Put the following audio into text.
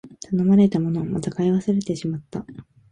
頼まれたもの、また買い忘れてしまった